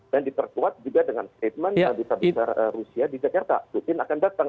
dan diperkuat juga dengan statement yang bisa besar rusia di jakarta putin akan datang